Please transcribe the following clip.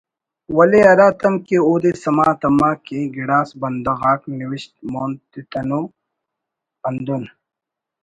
ولے ہرا تم کہ اودے سما تما کہ گڑاس بندغ آک نوشت مون تتنو ہندن